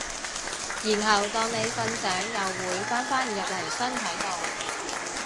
然後當你瞓醒又會返返入嚟身體度